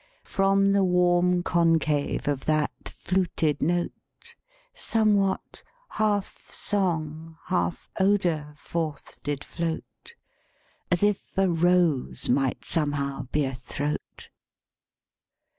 From the warm concave of that fluted note Somewhat, half song, half odor, forth did float, As if a rose might somehow be a throat."